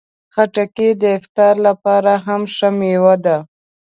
خټکی د افطار لپاره هم ښه مېوه ده.